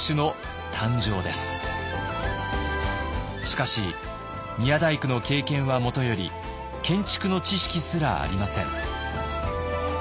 しかし宮大工の経験はもとより建築の知識すらありません。